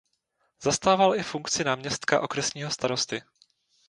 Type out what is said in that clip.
Zastával i funkci náměstka okresního starosty.